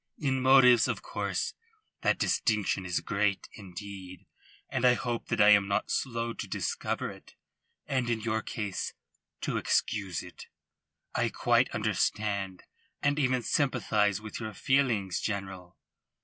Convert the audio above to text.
In motives, of course, that distinction is great indeed, and I hope that I am not slow to discover it, and in your case to excuse it. I quite understand and even sympathise with your feelings, General."